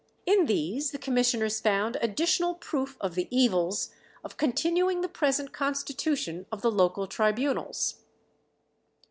In these the commissioners found "additional proof of the evils of continuing the present constitution of the local tribunals.